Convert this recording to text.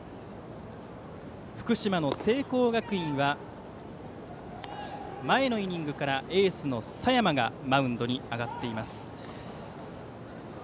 福島の聖光学院は前のイニングからエースの佐山がマウンドに上がっています。